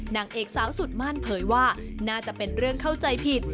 นางเอกสาวสุดมั่นเผยว่าน่าจะเป็นเรื่องเข้าใจผิด